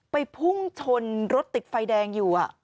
พุ่งชนรถติดไฟแดงอยู่